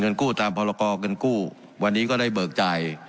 กู้ตามพรกรเงินกู้วันนี้ก็ได้เบิกจ่าย